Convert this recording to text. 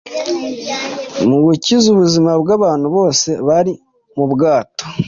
mu gukiza ubuzima bw’abantu bose bari mu bwato,